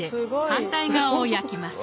反対側を焼きます。